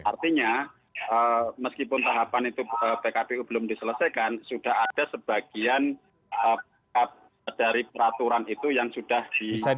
artinya meskipun tahapan itu pkpu belum diselesaikan sudah ada sebagian dari peraturan itu yang sudah di